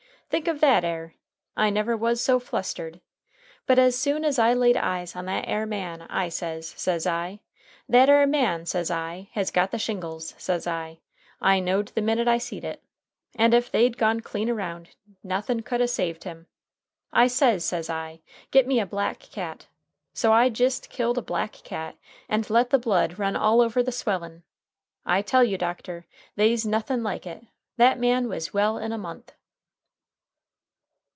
Think of that air! I never was so flustered. But as soon as I laid eyes on that air man, I says, says I, that air man, says I, has got the shingles, says I. I know'd the minute I seed it. And if they'd gone clean around, nothing could a saved him. I says, says I, git me a black cat. So I jist killed a black cat, and let the blood run all over the swellin'. I tell you, doctor, they's nothin' like it. That man was well in a month."